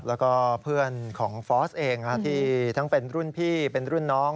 แล้วก็เพื่อนของฟอสเองที่ทั้งเป็นรุ่นพี่เป็นรุ่นน้อง